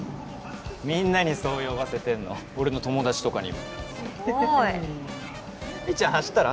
みんなにそう呼ばせてんの俺の友達とかにもすごいみっちゃん走ったら？